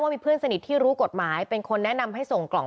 รวมถึงเมื่อวานี้ที่บิ๊กโจ๊กพาไปคุยกับแอมท์ท่านสถานหญิงกลาง